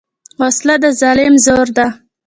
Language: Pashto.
وسله د ظلم زور ده